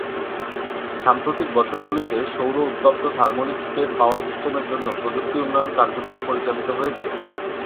সাম্প্রতিক বছরগুলিতে সৌর- উত্তপ্ত থার্মোনিক স্পেস পাওয়ার সিস্টেমের জন্য প্রযুক্তি উন্নয়ন কার্যক্রম পরিচালিত হয়েছে।